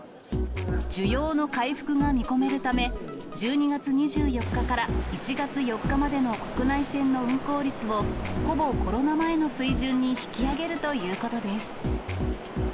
需要の回復が見込めるため、１２月２４日から１月４日までの国内線の運航率を、ほぼコロナ前の水準に引き上げるということです。